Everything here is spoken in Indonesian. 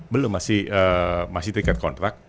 belum masih tiket kontrak